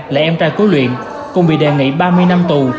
là em trai của luyện cùng bị đề nghị ba mươi năm tù